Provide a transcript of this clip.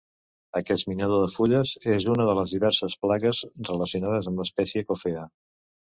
Aquest minador de fulles és una de les diverses plagues relacionades amb l'espècie "Coffea".